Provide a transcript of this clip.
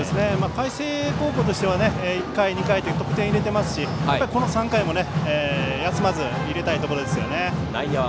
海星高校としては１回、２回と得点入れていますしやっぱり３回も休まず入れたいところですね。